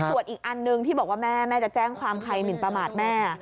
ส่วนอีกอันหนึ่งที่บอกว่าแม่แม่จะแจ้งความใครหมินประมาทแม่